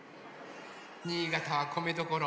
新潟はこめどころ。